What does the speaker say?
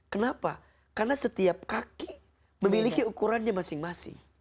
kenapa karena setiap kaki memiliki ukurannya masing masing